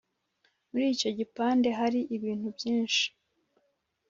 muri icyo gipande hari ibintu byinshi